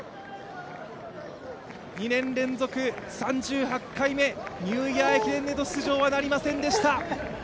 ２年連続３８回目、ニューイヤー駅伝への出場はなりませんでした。